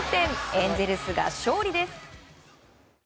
エンゼルスが勝利です。